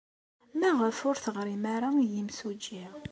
Maɣef ur d-teɣrim ara i yimsujji?